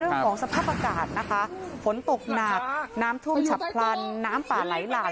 เรื่องของสภาพอากาศนะคะฝนตกหนักน้ำท่วมฉับพลันน้ำป่าไหลหลาก